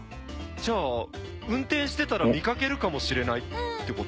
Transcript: じゃあ運転してたら見かけるかもしれないって事？